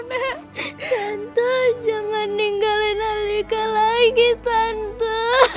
tante jangan ninggalin alika lagi tante